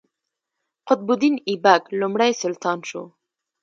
قطب الدین ایبک لومړی سلطان شو.